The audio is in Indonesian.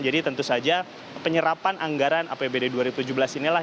jadi tentu saja penyerapan anggaran apbd dua ribu tujuh belas inilah